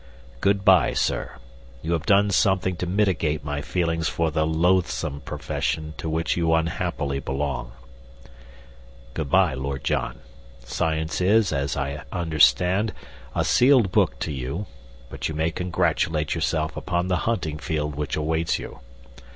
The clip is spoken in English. Good bye, sir. You have done something to mitigate my feelings for the loathsome profession to which you unhappily belong. Good bye, Lord John. Science is, as I understand, a sealed book to you; but you may congratulate yourself upon the hunting field which awaits you.